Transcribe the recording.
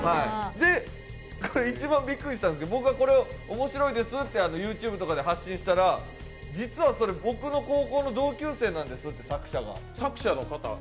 一番びっくりしたんですけど、僕、おもしろいですとＹｏｕＴｕｂｅとかで発信したら実はそれ、僕の高校の同級生なんですって、作者が。